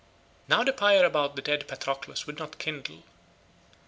Now the pyre about dead Patroclus would not kindle.